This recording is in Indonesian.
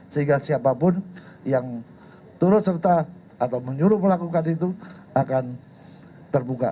sehingga siapapun yang turut serta atau menyuruh melakukan itu akan terbuka